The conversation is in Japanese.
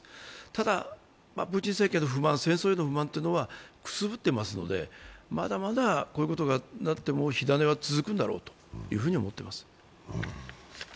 ただ、プーチン政権の不満、戦争への不満というのはくすぶっていますので、まだまだ、こういうことになっても火種は続くんだろうと思っています。